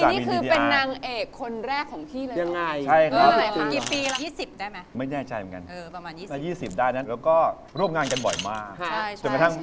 ไม่ีดีนี่คือเป็นนางเอกคนแรกของพี่เลยพี่เลยเป็นนางเอกในคตของพี่แล้ว